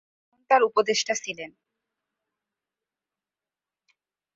Lemon তার উপদেষ্টা ছিলেন।